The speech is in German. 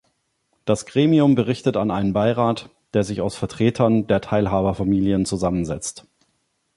Das Gremium berichtet an einen Beirat, der sich aus Vertretern der Teilhaber-Familien zusammensetzt.